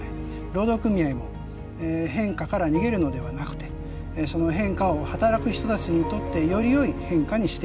労働組合も変化から逃げるのではなくてその変化を働く人たちにとってよりよい変化にしていく。